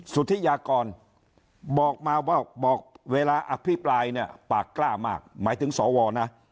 สุธิยากรบอกมาบอกเวลาอภิปรายเนี่ยปากกล้ามากหมายถึงสวนะ